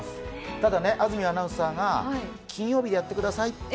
ただ、安住アナウンサーが金曜日やってくださいと